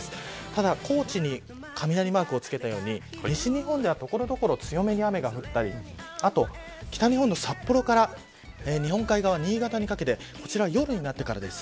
ただ、高知に雷マークをつけたように西日本では所々強めに雨が降ったり北日本の札幌から日本海側は新潟にかけてこちら、夜になってからです。